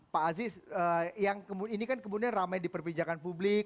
pak aziz ini kan kemudian ramai diperbincangkan publik